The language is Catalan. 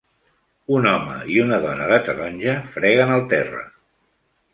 Un home i una dona de taronja freguen el terra.